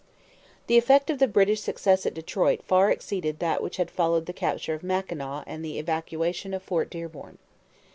The effect of the British success at Detroit far exceeded that which had followed the capture of Mackinaw and the evacuation of Fort Dearborn.